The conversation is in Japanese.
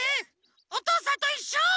「おとうさんといっしょ」。